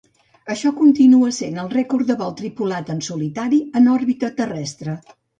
Això continua sent el rècord del vol tripulat en solitari en òrbita terrestre.